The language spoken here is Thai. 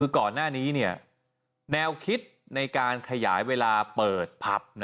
คือก่อนหน้านี้แนวคิดในการขยายเวลาเปิดพับ